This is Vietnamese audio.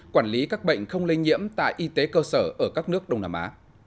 quản lý các bệnh không lây nhiễm tại y tế cơ sở ở các nước đông nam á